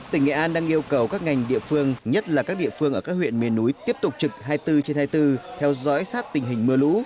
tỉnh nghệ an đang yêu cầu các ngành địa phương nhất là các địa phương ở các huyện miền núi tiếp tục trực hai mươi bốn trên hai mươi bốn theo dõi sát tình hình mưa lũ